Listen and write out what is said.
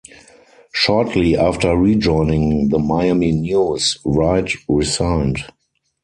Shortly after rejoining the Miami News, Wright resigned.